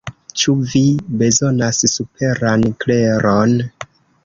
Ĉu vi bezonas superan kleron?